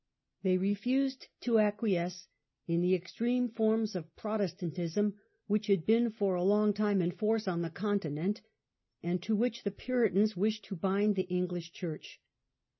They refused to acquiesce in the extreme forms of Protestantism which had been'for a long time in force on the Continent, and to which the Puritans wished to bind the English church.